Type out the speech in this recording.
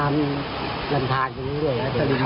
นับทางยังไงเนี่ย